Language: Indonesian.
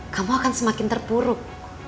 kamu akan semakin terpuruk